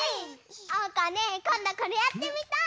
おうかねこんどこれやってみたい！